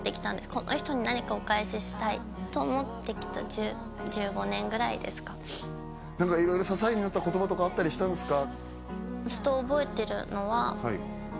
この人に何かお返ししたいと思ってきた１５年ぐらいですか何か色々支えになった言葉とかあったりしたんですか？